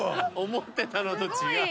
思ってたのと違う。